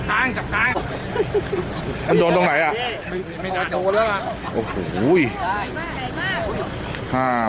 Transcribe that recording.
ข้างข้างมันตัวไหนอ่ะมันจะโอ้โหแห่ง